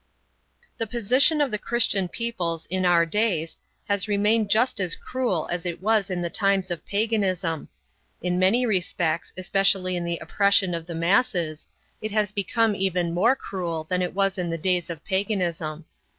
The position of the Christian peoples in our days has remained just as cruel as it was in the times of paganism. In many respects, especially in the oppression of the masses, it has become even more cruel than it was in the days of paganism.